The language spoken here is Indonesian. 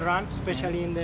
terutama pada jam perjalanan